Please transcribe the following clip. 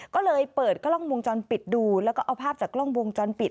ก็เลยเปิดกล้องวงจรปิดดูแล้วก็เอาภาพจากกล้องวงจรปิด